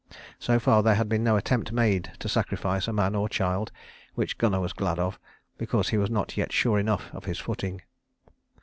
So far there had been no attempt made to sacrifice a man or child, which Gunnar was glad of, because he was not yet sure enough of his footing.